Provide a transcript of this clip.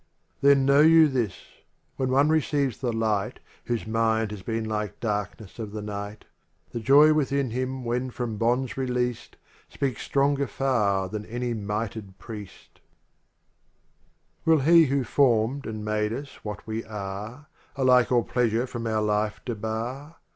Then know you this : When one receives the light Whose mind has been like darkness of the night, The joy within him when from bonds released. Speaks stronger far than any mitered priest. lxxviti Will He who formed and made us what we are, Alike all pleasure from our life debar